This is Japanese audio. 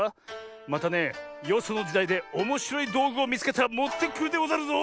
またねよそのじだいでおもしろいどうぐをみつけたらもってくるでござるぞ！